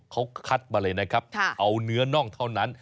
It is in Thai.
เขาคัดมาเลยนะครับเอาเนื้อน่องเท่านั้น